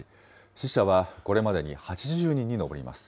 死者はこれまでに８０人に上ります。